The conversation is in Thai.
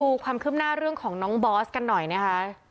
ความคืบหน้าเรื่องของน้องบอสกันหน่อยนะคะ